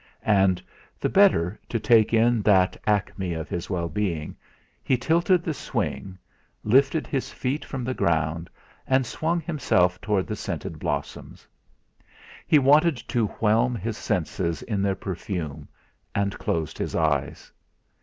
And, the better to take in that acme of his well being, he tilted the swing, lifted his feet from the ground, and swung himself toward the scented blossoms. He wanted to whelm his senses in their perfume, and closed his eyes.